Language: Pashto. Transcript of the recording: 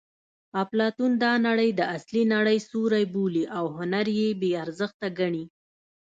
اپلاتون دا نړۍ د اصلي نړۍ سیوری بولي او هنر یې بې ارزښته ګڼي